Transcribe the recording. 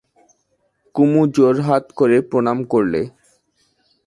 কুমু জোড়হাত করে প্রণাম করলে।